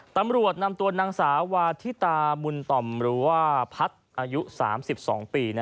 ตำรวจนำตัวนางสาวาธิตามุนต่อมหรือว่าพัฒน์อายุ๓๒ปี